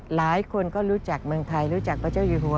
หลายคนก็รู้จักเมืองไทยรู้จักพระเจ้าอยู่หัว